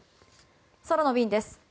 空の便です。